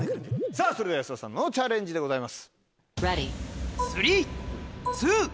さぁそれでは安田さんのチャレンジでございます。